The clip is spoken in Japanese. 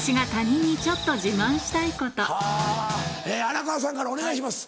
荒川さんからお願いします。